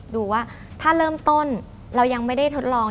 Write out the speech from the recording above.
ดูว่าถ้าเริ่มต้นเรายังไม่ได้ทดลอง